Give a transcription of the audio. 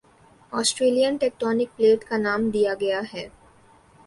Australian tectonic plate کا نام دیا گیا ہی